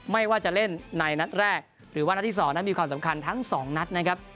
ไม่ว่าจะเล่นในนัดแรกหรือว่านัดที่๒นั้นมีความสำคัญทั้งสองนัดนะครับ